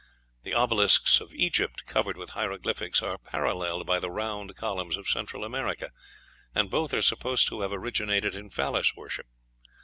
The obelisks of Egypt, covered with hieroglyphics, are paralleled by the round columns of Central America, and both are supposed to have originated in Phallus worship.